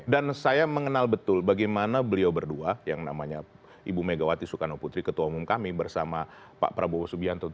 dan saya mengenal betul bagaimana beliau berdua yang namanya ibu megawati soekarno putri ketua umum kami bersama pak prabowo subianto